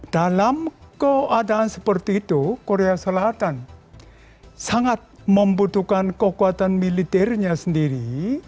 dalam keadaan seperti itu korea selatan sangat membutuhkan kekuatan militernya sendiri